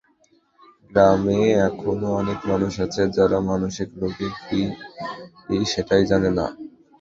গ্রামে এখনো অনেক মানুষ আছে, তারা মানসিক রোগ কী, সেটাই জানে না।